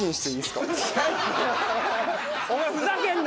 お前ふざけんな！